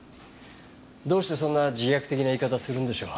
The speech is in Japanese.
どうしてそんな自虐的な言い方するんでしょう。